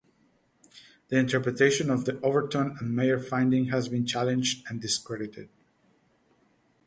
The interpretation of the Overton and Meyer finding has been challenged and discredited.